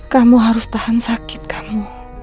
kamu harus tahan sakit kamu